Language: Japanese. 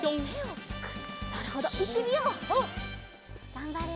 がんばれ。